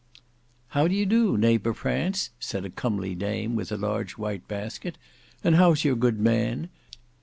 "How d'ye do neighbour Prance?" said a comely dame with a large white basket, "And how's your good man?